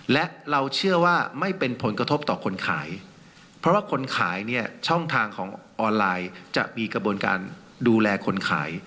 และเราเชื่อว่าไม่เป็นผลกระทบต่อคนขายเพราะว่าคนขายเนี่ยช่องทางของออนไลน์จะมีกระบวนการดูแลคนขาย